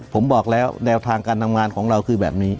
ผมบอกแล้วแนวทางการทำงานของเราคือแบบนี้